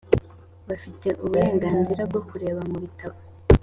bafite uburenganzira bwo kureba mubitabo